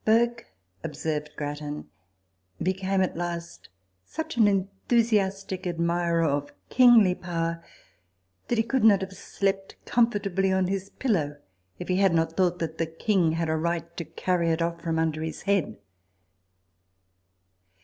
" Burke," observed Grattan, " became at last such an enthusiastic admirer of kingly power, that he could not have slept comfortably on his pillow if he had not thought that the king had a right to carry it off from under his head."